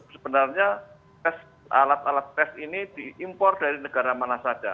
sebenarnya alat alat tes ini diimpor dari negara mana saja